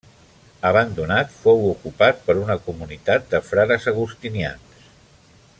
Abandonat, fou ocupat per una comunitat de frares agustinians.